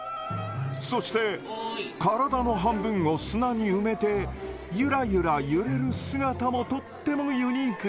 そして体の半分を砂に埋めてユラユラ揺れる姿もとってもユニーク。